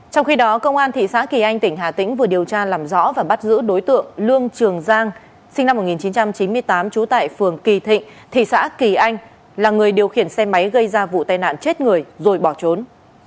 trong khi đó công an thị xã kỳ anh tỉnh hà tĩnh vừa điều tra làm rõ và bắt giữ đối tượng lương trường giang sinh năm một nghìn chín trăm chín mươi tám trú tại phường kỳ thị xã kỳ anh là người điều khiển xe máy gây ra vụ tai nạn chết người rồi bỏ trốn